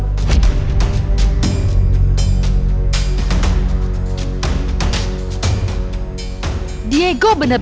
ini makin teruk